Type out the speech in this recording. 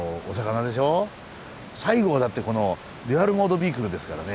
最後はだってこのデュアル・モード・ビークルですからね。